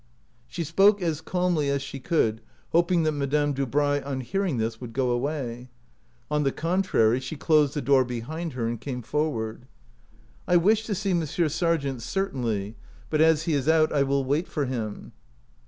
She spoke as calmly as she could, hoping that Madame Dubray on hearing this would go away. On the contrary, she closed the door behind her and came forward. " I wished to see Monsieur Sargent, cer tainly; but as he is out I will wait for him."